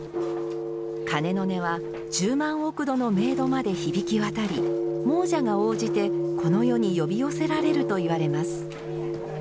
鐘の音は、十万億土の冥土まで響き渡り、亡者が応じてこの世に呼び寄せられると言われます。